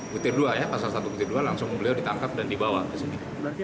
pasal satu ke dua ya pasal satu ke dua langsung beliau ditangkap dan dibawa ke sini